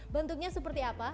bentuknya seperti apa